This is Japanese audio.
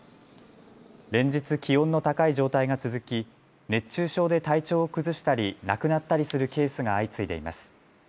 連日、気温の高い状態が続き熱中症で体調を崩したり亡くなったりするケースが相次いでいます。